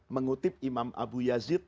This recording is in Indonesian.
mengutip imam abu yazid